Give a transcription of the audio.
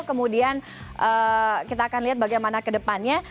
kemudian kita akan lihat bagaimana ke depannya